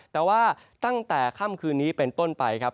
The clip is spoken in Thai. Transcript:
แต่ว่าตั้งแต่ค่ำคืนนี้เป็นต้นไปครับ